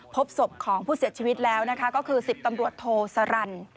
พบศพของผู้เสียชีวิตแล้วนะคะก็คือ๑๐ตำรวจโทสรร